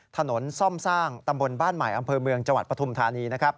ถนนซ่อมสร้างตำบลบ้านใหม่อำเภอเมืองจังหวัดปฐุมธานี